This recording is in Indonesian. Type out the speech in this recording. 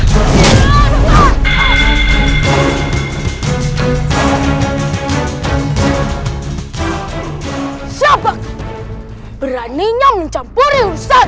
siapakah yang beraninya mencampuri urusan